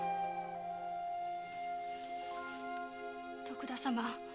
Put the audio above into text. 徳田様。